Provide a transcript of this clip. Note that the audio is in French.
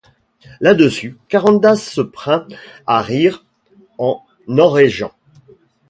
Là-dessus, Carandas se print à rire en enraigeant.